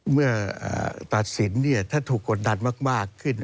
เมื่อตัดสินถ้าถูกกดดันมากขึ้น